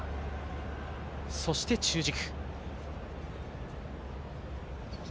そして中軸。